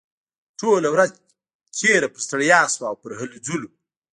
ټوله ورځ تېره پر ستړيا شوه او پر هلو ځلو.